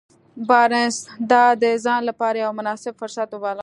بارنس دا د ځان لپاره يو مناسب فرصت وباله.